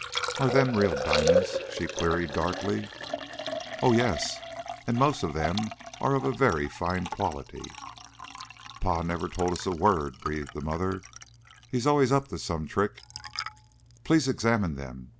"Are them real di'mon's?" she queried, darkly. "Oh yes! And most of them are of very fine quality." "Pa never told us a word," breathed the mother. "He's allus up to some trick." "Please examine them.